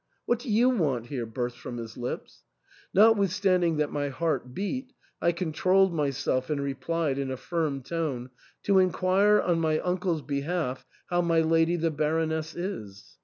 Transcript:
" What do you want here ?" burst from his lips. Notwithstanding that my heart beat, I controlled myself and replied in a firm tone, To inquire on my uncle's behalf how my lady, the Baroness, is